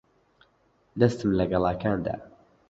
دەستم لە گەڵاکان دا.